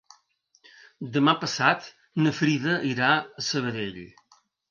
Demà passat na Frida irà a Sabadell.